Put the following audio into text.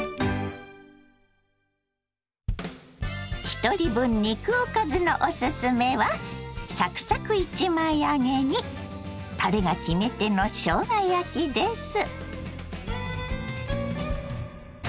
ひとり分肉おかずのおすすめはサクサク１枚揚げにたれが決め手のしょうが焼きです。